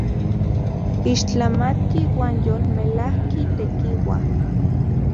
¡Ixtlamatki uan yolmelajki tekiua!